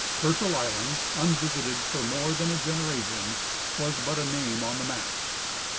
Herschel island, unvisited for more than a generation, was but a name on the maps.